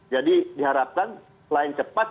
jadi diharapkan lain cepat